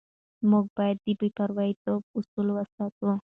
موږ باید د بې پرېتوب اصل وساتو.